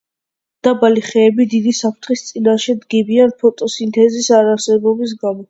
დაბალი ხეები დიდი საფრთხის წინაშე დგებიან ფოტოსინთეზის არარსებობის გამო.